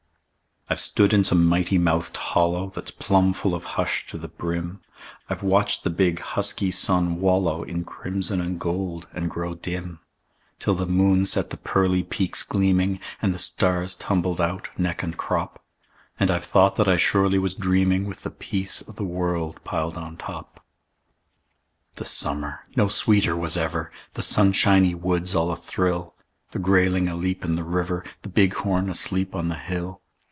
I've stood in some mighty mouthed hollow That's plumb full of hush to the brim; I've watched the big, husky sun wallow In crimson and gold, and grow dim, Till the moon set the pearly peaks gleaming, And the stars tumbled out, neck and crop; And I've thought that I surely was dreaming, With the peace o' the world piled on top. The summer no sweeter was ever; The sunshiny woods all athrill; The grayling aleap in the river, The bighorn asleep on the hill.